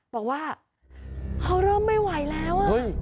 บอกว่าเขาเริ่มไม่ไหวแล้ว